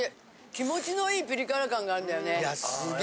気持ちのいいピリ辛感があるんだよね。